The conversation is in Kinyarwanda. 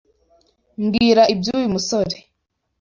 Mbwira iby'uyu musore.